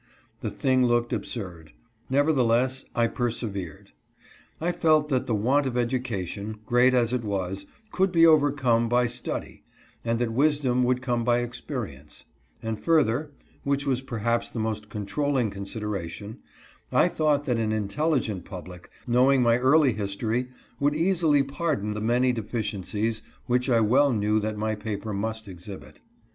The thing looked absurd. Nevertheless, I persevered. I felt that the want of education, great as it was, could be overcome by study, and that wisdom would come by experience ; and further (which was perhaps the most controlling consideration) I thought that an intelligent public, know ing my early history, would easily pardon the many deficiencies which I well knew that my paper must exhibit.